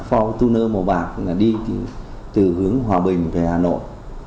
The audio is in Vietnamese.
fortuner màu bạc đi từ hướng hòa bình về hà nội